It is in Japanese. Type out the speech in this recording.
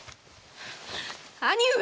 兄上！